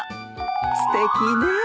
すてきねえ。